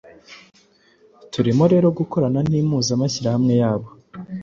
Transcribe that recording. turimo rero gukorana n’impuzamashyirahamwe yabo,